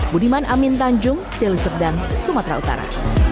budiman amin tanjung jeliserdam sumatera utara